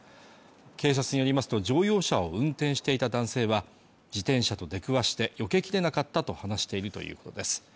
警察によりますと乗用車を運転していた男性は自転車と出くわしてよけきれなかったと話しているということです